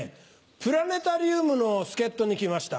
プラネタリウムの助っ人に来ました。